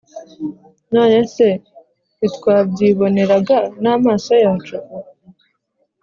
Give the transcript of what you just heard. None se ntitwabyiboneraga n’amaso yacu